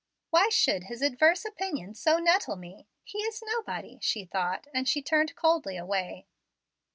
"Why should his adverse opinion so nettle me? He is nobody," she thought, as she turned coldly away.